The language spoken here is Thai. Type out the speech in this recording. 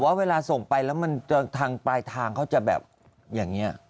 ว่าเวลาส่งไปแล้วมันจะทางปลายทางเขาจะแบบอย่างนี้